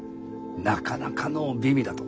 なかなかの美味だと。